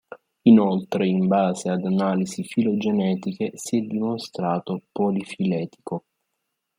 Inoltre in base ad analisi filogenetiche si è dimostrato polifiletico.